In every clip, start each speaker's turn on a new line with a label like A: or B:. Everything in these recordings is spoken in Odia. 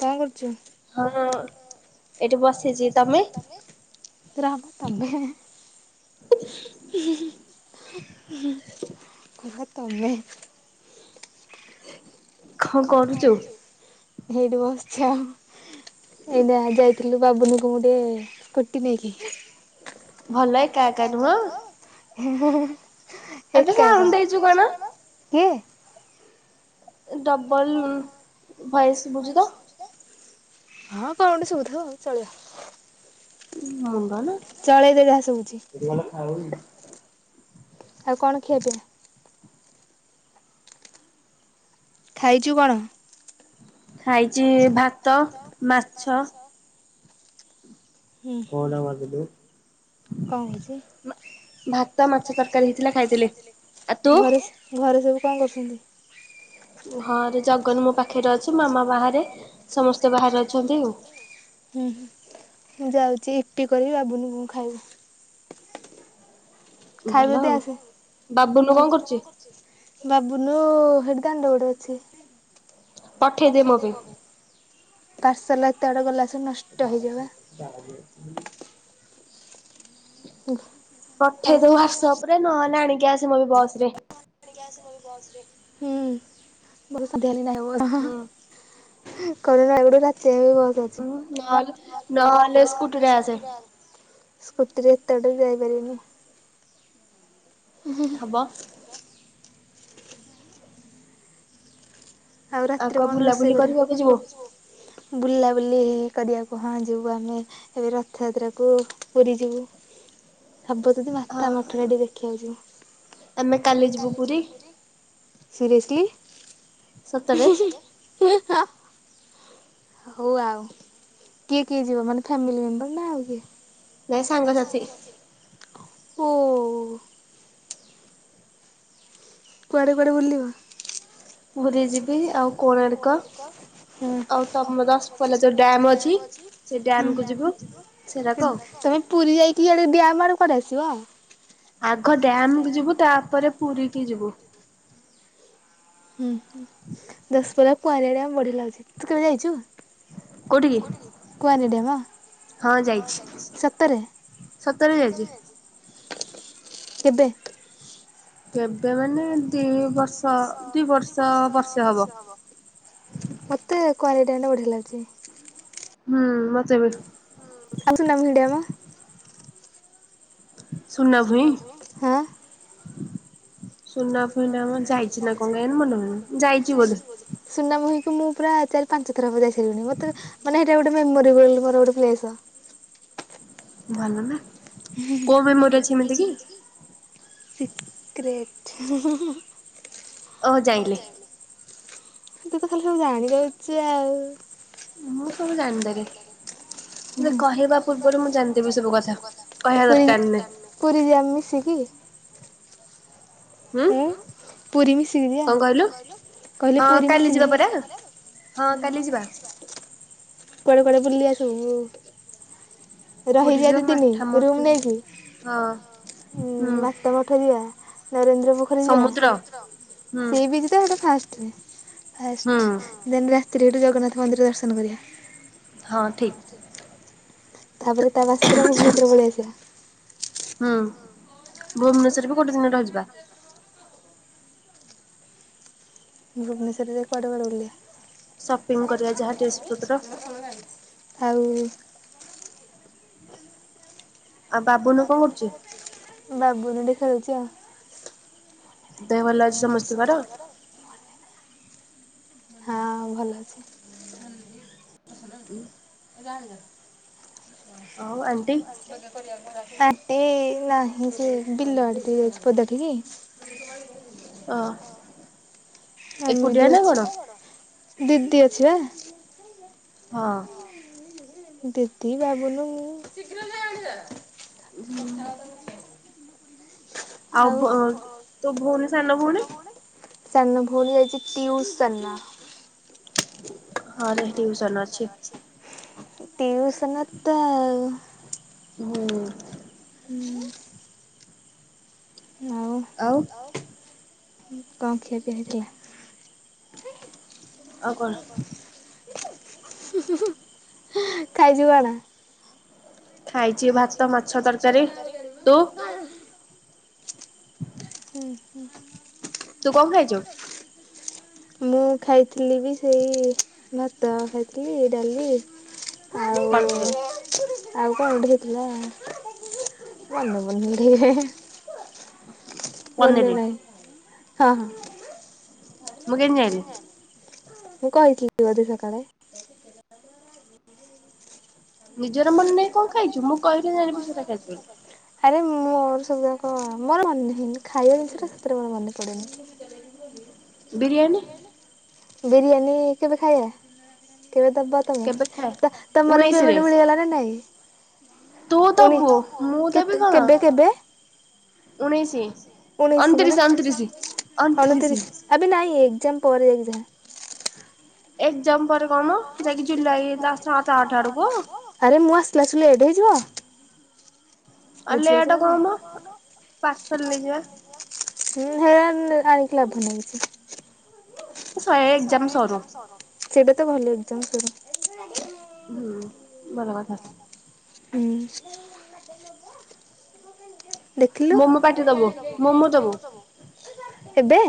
A: କଣ କରୁଛୁ।
B: ହଁ ଏଇଠି ବସିଛି ତମେ।
A: ତୋର ଆଗ ତମେ। କୁହ ତମେ। କଣ କରୁଛୁ ଏଇଠି ବସଛ, ଏଇଟ ଯାଇ ଥିଲୁ ବାବୁନୀ କୁ ଗୁଟେ ସ୍କୁଟି ନେଇକି
B: ଭଲ ଏକା ଏକା ନୁହଁ।
A: ହେ ହେ ଏକା ଏକା କଣ କିଏ
B: ଡବଲ ଭଏସ ବୁଝୁ ତ
A: ହଁ କଣ ଗୋଟେ ଶୁଭୁଥିବା ଚଳିବ।
B: ଉଁ ଧନ୍ଦା ନା
A: ଚଳେଇଦେ ଯାହା ଶୁଭୁଚି।
B: [unintelligible]
A: ଆଉ କଣ ଖିଆପିଆ? ଖାଇଛୁ କଣ?
B: ଖାଇଛି ଭାତ ମାଛ କୋହଲା ପାଗ ତ ମ୍ ଭାତ ମାଛ ତରକାରୀ ହେଇଥିଲା ଖାଇଥିଲି। ଆଉ ତୁ?
A: ଘରେ ସବୁ କଣ କରୁଛନ୍ତି?
B: ଘରେ ଜଗନ୍ ମୋ ପାଖରେ ଅଛି। ମାମା ବାହାରେ ସମସ୍ତେ ବାହାରେ ଅଛନ୍ତି ଆଉ।
A: ହୁଁ ମୁଁ ଯାଉଛି ୟିପି କରିବି ବାବୁନୁ ମୁଁ ଖାଇବୁ।
B: ଭଲ ଆଉ, ବାବୁନୁ କଣ କରୁଛି?
A: ବାବୁନୁ ହେଟି ଦାଣ୍ଡ ପଟେ ଅଛି। ପଠେଇ ଦେ ମୋ ପାଇଁ ପାର୍ସଲ ଏତେ ବାଟ ଗଲାଯେ ନଷ୍
B: [unintelligible] ପଠେଇଦବୁ ହ୍ୱାଟସପ୍ ରେ ନହେଲେ ଆଣିକି ଆ
A: ଆଣିକି ଆସେ ବସ୍ ରେ, ହୁଁ [unintelligible]
B: ନହେଲେ
A: ନହେଲେ ନହେଲେ ସ୍କୁଟିରେ ଆଣିଦେ ସ୍କୁଟିରେ ଏତେ ବାଟ ଯାଇପାରିବିନି। ଉଁ ହଁ
B: ବୱ
A: ଆଉ ରାତିରେ କଣ ରୋଷେଇ କରିବ? ବୁଲା ବୁଲି କରିବାକୁ ହଁ ଯିବୁ ଆମେ ଏଇ ରଥଯାତ୍ରାକୁ ପୁରୀ ଯିବୁ। ହବ ଦଦି ମାତା ମଠରେ ଟିକେ ଦେଖିଆକୁ ଯିବୁ। ଆମେ କାଲି ଯିବୁ ପୁରୀ। ସିରିୟସ୍ଲି [inaudible] ହଉ ଆଉ କିଏ କିଏ ଯିବ ମାନେ ଫ୍ୟାମିଲି ମେମ୍ବର ନା ଆଉ କିଏ? ଏ ସାଙ୍ଗ ସାଥି। ଓଓଓ କୁଆଡେ କୁଆଡେ ବୁଲିବ?
B: ପୁରୀ ଯିବି ଆଉ
A: ଆଉ କୋଣାର୍କ ହଁ ଆଉ ତମ ଜଲାଲ ଯୋଉ ଡ୍ୟାମ୍ ଅଛି। ହୁଁ ଡ୍ୟାମ୍ କୁ ଯିବୁ। ତମେ ପୁରୀ ଯାଇକିଆଡେ ଡ୍ୟାମ୍ ଆଡେ କୁଆଡେ ଆସିବ?
B: ଆଘ ଡ୍ୟାମ କୁ ଯିବୁ ତାପରେ ପୁରୀ କିି ଯିବୁ।
A: ହୁଁ ଦଶପଲା କୁଆଁରିଆ ଡ୍ୟାମ ବଢିଆ ଲାଗୁଛି ତୁ କେବେ ଯାଇଚୁ? କୋଉଠିକି କୁଆଁରି ଡ୍ୟାମ। ହଁ ଯାଇଛି ସତରେ ସତରେ ଯାଇଚି। କେବେ?
B: କେବେ ମାନେ ଦି ବର୍ଷ ଦି ବର୍ଷ ବର୍ଷେ ହବ।
A: ମତେ କୁଆଁରିଆ ଡ୍ୟାମ ବଢିଆ ଲାଗୁଛି।
B: ହୁଁ ମତେ ବି
A: ଫାଲୁତୁ ଲାଗୁନି ଡ୍ୟାମ୍।
B: ସୁନା ଭୁଇଁ [inaudible] ସୁନା ଭୁଇଁ ଡ୍ୟାମ୍ ଯାଇଛି ନା କଣ କେଜାଣି ମନ ନାଇଁ ଯାଇଛି ବୋଧେ
A: ସୁନାମୁହିଁକୁ ମୁଁ ପୁରା ଚାରି ପାଞ୍ଚ ଥର ଭଳିଆ ସୁଣିଲିନି ମତେ ମାନେ ଏଇଟା ଗୋଟେ ମେମୋରିବଲ ମୋର ଗୋଟେ ପ୍ପ୍ଲେସ।
B: ଭଲ ନା
A: ହଁ ସିକ୍ରେଟ ତୁ ତ ଖାଲି ସବୁ ଜାଣି ଯାଉଛୁ ଆଉ
B: ମୁଁ ସବୁ ଜାଣ ଦେଲି।
A: ହୁଁ [inaudible] ପୁରୀ ଯିବା ମିଶିକି
B: ହୁଁ।
A: ପୁରୀ ମିଶିିକି ଜିଆ କହିଲି ପୁରୀ ମିଶିିିକି ଜିଆ। କୁଆଡେ କୁଆଡେ ବୁଲିବା ସବୁ? ପୁରା ହେଇଯିବା ଦି ଦିନ ରୁମ୍ ନେଇକି।
B: ହଁ ହୁଁ।
A: ଫେରିବା ନରେନ୍ଦ୍ର ପୋଖରୀ ଯିବା ସିବିଚ ତ ଫାର୍ଷ୍ଟରେ ଫାଷ୍ଟ ଦେନ୍ ରାତିରେ ସେଠୁ ଜଗନ୍ନାଥ ମନ୍ଦିର ଦର୍ଶନ କରିଆ।
B: ହଁ ଠିକ୍‌।
A: ତାପରେ ତା ବାସିଦିନ ଭୁବନେଶ୍ୱର ପଳେଇ ଆସିବା।
B: ହଁ ଭୁବନେଶ୍ଵର ବି ଗୋଟେ ଦିନ ରହିଯିବା।
A: ଭୁବନେଶ୍ୱରରେ କୁଆଡେ କୁଆଡେ ବୁଲିଆ? ଆଉ ବାବୁନୁ ଏଠି ଖେଳୁଛି ଆଉ ଦେହ ଭଲ ଅଛି ସମସ୍ତିଙ୍କର? ହଁ ଭଲ ଅଛି। [inaudible] ହାଟି ନାହିଁ ସେ ବିଲ ଆଡେ ଟିକେ ଯାଇଛି ପଦା ଠିକି।
B: ଅ।
A: ଆମେ ଏଠି ଅଛୁ ଦିଦି ଅଛି ବା।
B: ହଁ।
A: ଦିଦି ବାବୁନୁ ମୁଁ।
B: ହୁଁ।
A: ଆଉ ସାନ ଭଉଣୀ ଯାଇଛି ଟିଉସନ।
B: ହଁରେ ଟିଉସନ ଅଛି।
A: ଟିଉସନ ତ ଆଉ
B: ହୁଁ।
A: ହୁଁ। ଆଉ
B: ଆଉ
A: କଣ ଖିଆ ପିଆ ହେଇଥିଲା? ହୁଁ ହୁଁ ଖାଇଛୁ କଣ? ଖାଇଛି ଭାତ ମାଛ ତରକାରୀ। ଉଁ ହୁଁ।
B: ତୁ କଣ ଖାଇଛୁ?
A: [inaudible] ମୁଁ ଖାଇଥିଲି ବି ସେଇ ଭାତ ଖାଇଥିଲି ଡାଲି
B: ପନ୍ଦରରେ।
A: କଣ ଗୋଟେ ଥିଲା ମନ ପଡୁନିରେ। ମନେନାହିଁ ହଁ ହଁ।
B: ମୁଁ କେଏନ୍ତି ଯାଇଁଲି।
A: ମୁଁ କହଥିଲି କି ବୋଧେ ସକାଳେ
B: ନିଜର ମନ ନାଇ କଣ ଖାଇଚୁ? ମୁଁ କହିଲେ ଜାଣିବୁ ସେଇଟା ଖାଇଚୁ ବୋଲି।
A: ଆରେ ମୋର ସବୁଜାଙ୍କ ମୋର ମନେ ହେଇନି ଖାଇବା ଜିନିଷଟା ସତରେ ମୋର ମନେ ପଡ଼େନି। ଜୁଆର ହେଇକିରି ମୁଁ ଗଲି।
B: ବିରିୟାନୀ।
A: ବିରିୟାନୀ କେବେ ଖାଇବା? କେବେ ଦବା ତମେ ତମର ବି ପେମେଣ୍ଟ ମିଳିଗଲା ନା ନାଇଁ?
B: ତୁ ଦବୁ। ମୁଁ ଦେବି କଣ? ଉଣେଇଶି। ଅଣତିରିଶ ଅଣତିରିଶ ଅଣତିରିଶି।
A: ଆବେ ନାଇ ଏକ୍ଜାମ ପରେ ଯାଇକି ଯାହା।
B: ଏକ୍ଜାମ୍ ପରେ କ ମ? ଯାଇକି ଜୁଲାଇ ଦା ସାତ ଆଠ ଆଡୁକୁ।
A: ଆରେ ମୁଁ ଆସିଲା ଆସୁ ଲେଟ୍ ହେଇଯିବ। ବୁଝିପାରୁଚ ନା ନାଇ। ହୁଁ ହେ ଆଣିକି ଲାଭ ନାହିଁ କିଛି।
B: ସ ଏ ଏକ୍ଜାମ୍ ସରୁ।
A: ସେଇଟା ତ ଭଲ ଏକ୍ଜାମ୍ ସଇଲେ।
B: ହୁଁ ଭଲ କଥା।
A: ଉଁ। ଦେଖିଲୁ। ଏବେ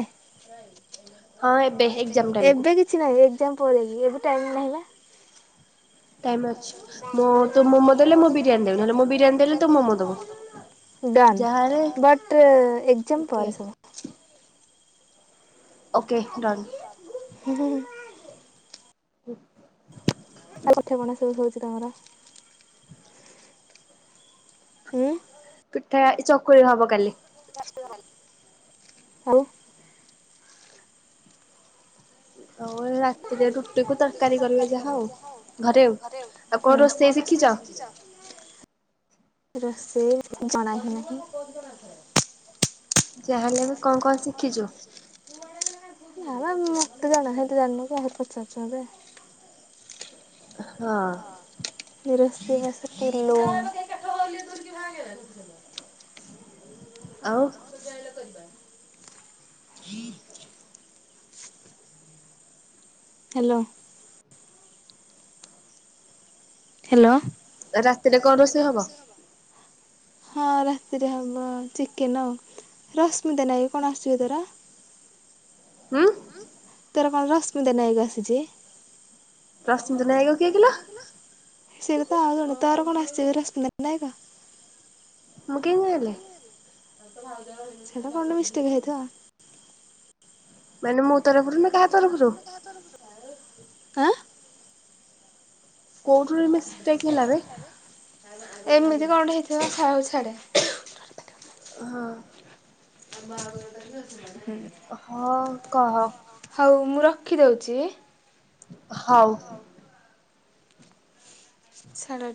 A: ଏବେ କି ଛି ନାହିଁ। ଏକ୍ଜାମ୍ ପରେ କି। ଏବେ ଟାଇମ୍ ନାହିଁ ବା।
B: ଟାଇମ୍ ଅଛି। ମୋ ତୁ ମୋମୋ ଦେଲେ ମୁଁ ବିରିୟାନୀ ଦେବି। ନହଲେ ମୁଁ ମୁ ବିରିୟାନୀ ଦେଲେ ତୁ ମୋମୋ ଦବୁ।
A: ଡନ୍। ବଟ୍ ଏକ୍ଜାମ୍ ପରେ ସବୁ।
B: Okay done.
A: ହୁଁ ହୁଁ ହୁଁ।
B: ହୁ।
A: ଆଉ ପିଠା ପଣା ସବୁ ହଉଚି ତମର। ଉଁ।
B: ପିଠା ଏ ଚକୁଳି ହବ କାଲି।
A: ଆଉ।
B: ଆଉ ଏ ରାତିରେ ରୁଟିକୁୁ ତରକାରୀ କରିବା ଯାହା ଆଉ ଘରେ ଆଉ ଆଉ।
A: ହୁଁ ରୋଷେଇ ଜଣା ହି ନାହିଁ।
B: ଯାହାହେଲେ ବି କଣ କଣ ଶିଖିଚୁ?
A: ନା ନା ମତେ ଜଣା ହେଲେ ତୁ ଜାଣିନୁ କି ଆହୁରି ପଚାରୁଚୁ ମତେ।
B: ହଁ।
A: ରୋଷେଇ ବାସ ପୁର୍ ଲୋନ୍। ହ ଆ ଯାଇଲ [unintelligible]
B: ହଁ
A: ହ୍ୟାଲୋ। ହ୍ୟାଲୋ।
B: ରାତିରେ କଣ ରୋଷେଇ ହବ?
A: ହଁ ରାତିରେ ହବ ଚିକେନ ଆଉ। ରଶ୍ମିତା ନାଇଁ କଣ ଆସଚି ଯେ ଏରା? ତୋର କଣ ରଶ୍ମିତା ନାୟକ ଆସିଚି।
B: ରଶ୍ମିତା ନାୟକ କିଏ କିଲୋ?
A: ସେ ତ ଆଉ ଜଣେ। ତାର କଣ ଆସଚି ରଶ୍ମିତା ନାଏକ।
B: ମୁଁ କେମତି ଜାଣିଲି?
A: ସେଇଟା କଣ ଗୋଟେ ମିଶ୍ଟେକ୍ ହେଇଯାଇଥିବ ଆଉ।
B: ମାନେ ମୋ ତରଫରୁ ନା କାହା ତରଫରୁ?
A: ଆଁ।
B: କେଉଁଠୁ ରୁ ମିଷ୍ଟେକ୍ ହେଲାବେ?
A: ଏମିତି କଣ ଗୋଟେ ହେଇଥିକା ଖାଇଆକୁ ଛାଡେ
B: ହଁ।
A: ଆ ବା [unintelligible]
B: ହଁ କହ?
A: ହଉ ମୁଁ ରଖିଦଉଚି।
B: ହଉ।
A: ଛାଡ